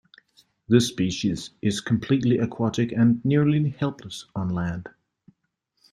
This species is completely aquatic and nearly helpless on land.